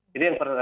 jadi yang pertama